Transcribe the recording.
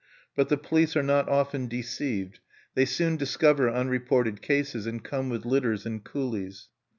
But the police are not often deceived: they soon discover unreported cases, and come with litters and coolies.